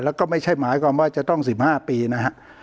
แล้วก็ไม่ใช่หมายความว่าจะต้อง๑๕ปีนะฮะ